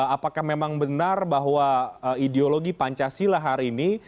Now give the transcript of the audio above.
apakah memang benar bahwa ideologi pancasila hari ini